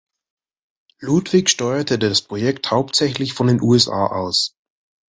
Ludwig steuerte das Projekt hauptsächlich von den USA aus.